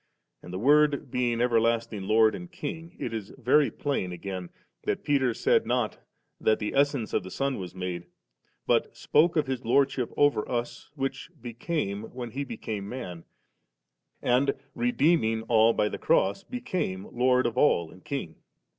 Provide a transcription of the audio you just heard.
And the Word being everlasting Lord and King, it is very plain again that Peter said not that the Es sence of the Son was made, but spoke of His Lordship over us, which * became ' when He became man, and, redeeming all by the Cross, became Lord of all and King.